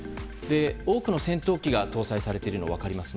多くの戦闘機が搭載されているのが分かります。